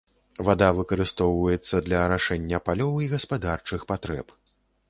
Вада выкарыстоўваецца для арашэння палёў і гаспадарчых патрэб.